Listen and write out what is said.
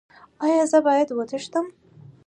ایا زه باید وتښتم؟